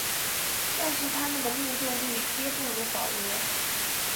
但是它们的命中率皆不如保罗。